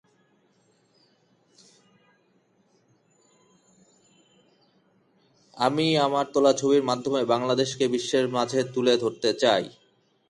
আমি আমার তোলা ছবির মাধ্যমে বাংলাদেশকে বিশ্বের মাঝে তুলে ধরতে চাই।